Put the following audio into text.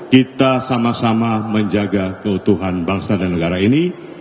kita sama sama menjaga keutuhan bangsa dan negara ini